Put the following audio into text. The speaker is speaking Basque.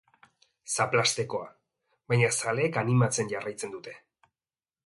Zaplastekoa, baina zaleek animatzen jarraitzen dute.